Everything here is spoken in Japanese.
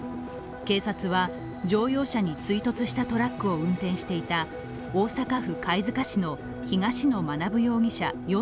警察は乗用車に追突したトラックを運転していた大阪府貝塚市の東野学容疑者